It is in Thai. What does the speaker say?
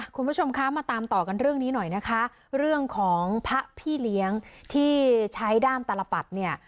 คุณผู้ชมคะมาตามต่อกันเรื่องนี้หน่อยนะคะเรื่องของพระพี่เลี้ยงที่ใช้ด้ามตลปัดเนี่ย